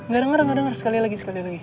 gak denger dengar sekali lagi